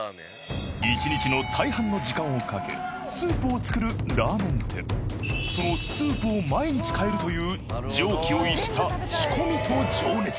一日の大半の時間をかけスープを作るラーメン店そのスープを毎日替えるという常軌を逸した仕込みと情熱